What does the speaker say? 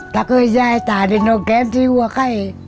ถ้าเคยจะตายถ้ายังไม่ทราบ